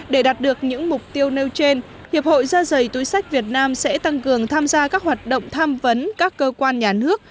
để đạt được những mục tiêu nêu trên hiệp hội da dày túi sách việt nam sẽ tăng cường tham gia các hoạt động tham vấn các cơ quan nhà nước